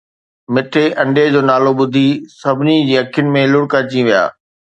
مٺي انڊيءَ جو نالو ٻڌي سڀني جي اکين ۾ لڙڪ اچي ويا